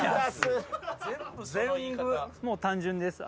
もう単純です。